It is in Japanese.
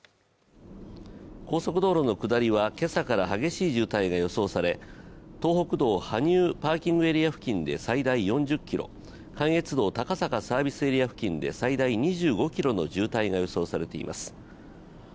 高速道路の下りは今朝から激しい渋滞が予想され東北道羽生パーキングエリア付近で最大４０ｋｍ関越道高坂サービスエリア付近で最大２５ｋｍの渋滞が予想されています。